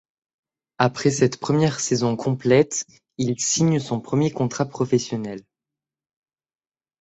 Après cette première saison complète, il signe son premier contrat professionnel.